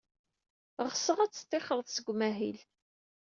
Ɣseɣ ad d-tettixred seg umahil.